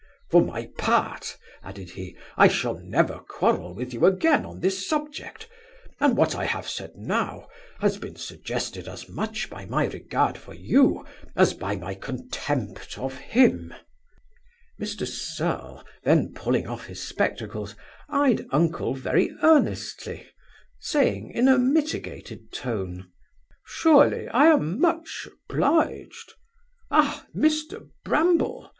'For my part (added he) I shall never quarrel with you again upon this subject; and what I have said now, has been suggested as much by my regard for you, as by my contempt of him' Mr Serle, then pulling off his spectacles, eyed uncle very earnestly, saying, in a mitigated tone, 'Surely I am much obliged Ah, Mr Bramble!